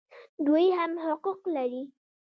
دوی هم حقوق لري